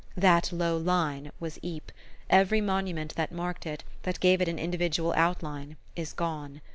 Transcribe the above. That low line was Ypres; every monument that marked it, that gave it an individual outline, is gone.